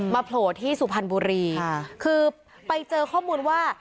มาโผล่ที่สุภัณฑ์บุรีค่ะคือไปเจอข้อมูลว่า